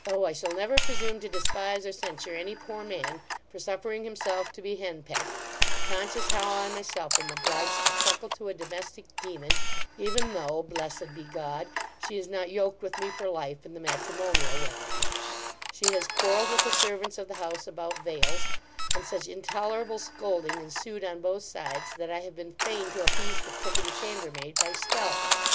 I shall never presume to despise or censure any poor man, for suffering himself to be henpecked; conscious how I myself am obliged to truckle to a domestic demon; even though (blessed be God) she is not yoked with me for life, in the matrimonial waggon She has quarrelled with the servants of the house about vails; and such intolerable scolding ensued on both sides, that I have been fain to appease the cook and chambermaid by stealth.